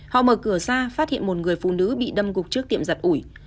họ mở cửa ra phát hiện một người phụ nữ bị đâm gục trước tiệm giật ủi